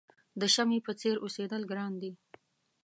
د شمعې په څېر اوسېدل ګران دي.